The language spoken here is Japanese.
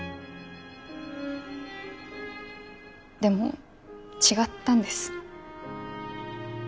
でも違ったんです。